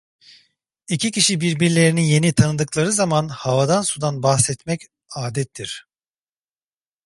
İki kişi birbirlerini yeni tanıdıkları zaman havadan sudan bahsetmek adettir.